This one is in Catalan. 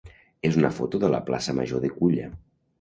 és una foto de la plaça major de Culla.